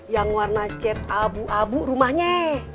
yang warna chat abu abu rumahnya